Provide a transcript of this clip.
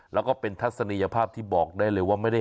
และเป็นทัศนียภาพที่บอกได้เลยว่า